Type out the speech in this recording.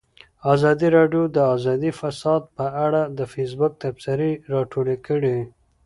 ازادي راډیو د اداري فساد په اړه د فیسبوک تبصرې راټولې کړي.